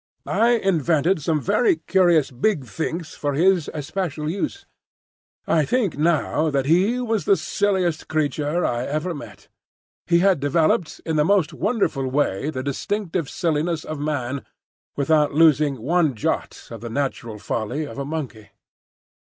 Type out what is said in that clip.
I invented some very curious "Big Thinks" for his especial use. I think now that he was the silliest creature I ever met; he had developed in the most wonderful way the distinctive silliness of man without losing one jot of the natural folly of a monkey.